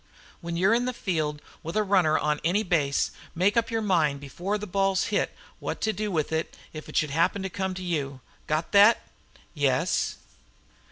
"When you're in the field with a runner on any base make up your mind before the ball's hit what to do with it if it should happen to come to you. Got thet?" "Yes."